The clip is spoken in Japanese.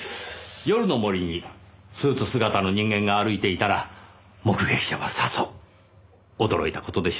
夜の森にスーツ姿の人間が歩いていたら目撃者はさぞ驚いた事でしょう。